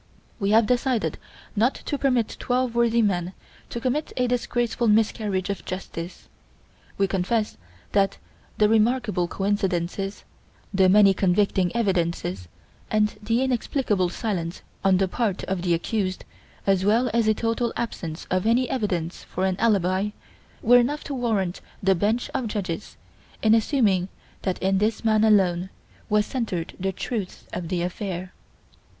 "We have decided not to permit twelve worthy men to commit a disgraceful miscarriage of justice. We confess that the remarkable coincidences, the many convicting evidences, and the inexplicable silence on the part of the accused, as well as a total absence of any evidence for an alibi, were enough to warrant the bench of judges in assuming that in this man alone was centered the truth of the affair.